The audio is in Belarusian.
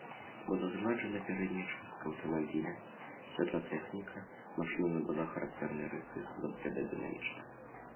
Была згладжана пярэдняя частка аўтамабіля, святлатэхніка, машына набыла характэрныя рысы і стала выглядаць дынамічна.